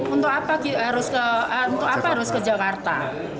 untuk apa harus ke jakarta